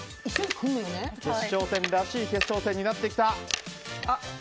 決勝戦らしい決勝戦になってきた。